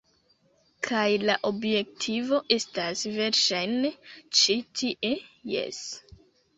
Kaj la objektivo estas, verŝajne, ĉi tie. Jes.